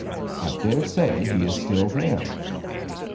I dare say he is still there.